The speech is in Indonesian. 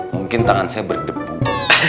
mungkin tangan saya berdepuk